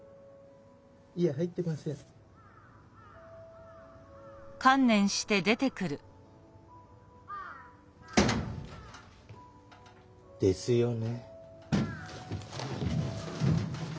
いや入ってません。ですよね。